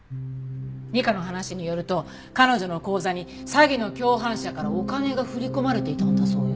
二課の話によると彼女の口座に詐欺の共犯者からお金が振り込まれていたんだそうよ。